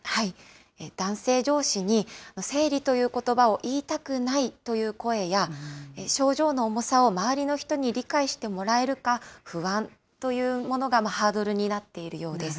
男性上司に生理ということばを言いたくないという声や、症状の重さを周りの人に理解してもらえるか不安というものがハードルになっているようです。